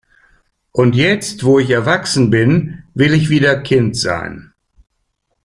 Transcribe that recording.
Und jetzt, wo ich erwachsen bin, will ich wieder Kind sein.